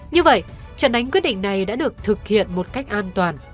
như vậy trận đánh quyết định này đã được thực hiện một cách an toàn